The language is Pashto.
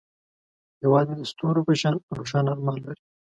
هیواد مې د ستورو په شان روښانه ارمان لري